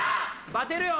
バテるよ！